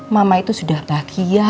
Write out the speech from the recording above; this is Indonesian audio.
mama itu sudah bahagia